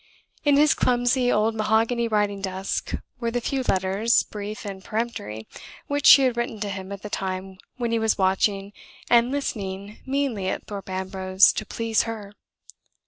In his clumsy old mahogany writing desk were the few letters, brief and peremptory, which she had written to him at the time when he was watching and listening meanly at Thorpe Ambrose to please her.